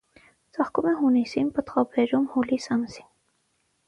Ծաղկում է հունիսին, պտղաբերում՝ հուլիս ամսին։